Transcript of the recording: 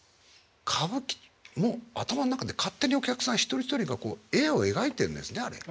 歌舞伎も頭ん中で勝手にお客さん一人一人が絵を描いてんですねあれ。